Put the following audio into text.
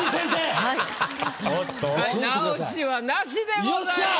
はい直しはなしでございました。